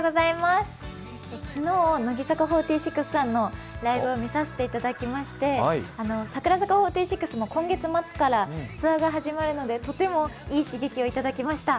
昨日、乃木坂４６さんのライブを見させていただきまして、櫻坂４６も今月末からツアーが始まるのでとてもいい刺激をいただきました。